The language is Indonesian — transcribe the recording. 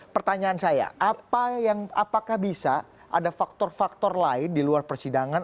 pertanyaan saya apakah bisa ada faktor faktor lain di luar persidangan